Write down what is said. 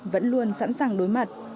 vẫn luôn sẵn sàng đối mặt